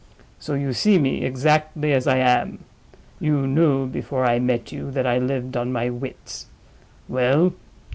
So you see me exactly as I am. You knew, before I met you, that I lived on my wits. Well!